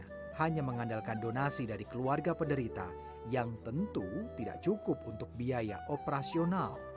mereka hanya mengandalkan donasi dari keluarga penderita yang tentu tidak cukup untuk biaya operasional